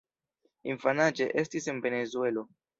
Infanaĝe, estis en Venezuelo.